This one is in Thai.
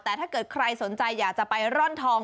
แต่ถ้าเกิดใครสนใจอยากจะไปร่อนทอง